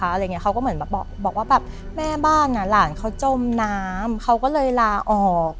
อะไรอย่างเงี้เขาก็เหมือนแบบบอกว่าแบบแม่บ้านอ่ะหลานเขาจมน้ำเขาก็เลยลาออก